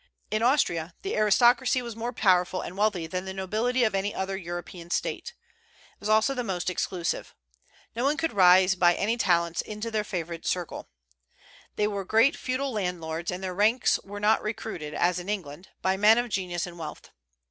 In Austria the aristocracy was more powerful and wealthy than the nobility of any other European State. It was also the most exclusive. No one could rise by any talents into their favored circle. They were great feudal landlords; and their ranks were not recruited, as in England, by men of genius and wealth.